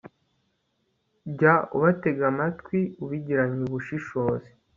jya ubatega amatwi ubigiranye ubushishozi